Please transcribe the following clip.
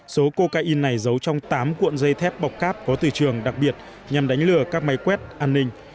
số cocaine này giấu trong tám cuộn dây thép bọc cáp có từ trường đặc biệt nhằm đánh lừa các máy quét an ninh